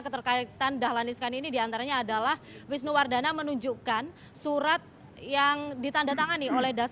keterkaitan dahlan iskan ini diantaranya adalah wisnuwardana menunjukkan surat yang ditanda tangani oleh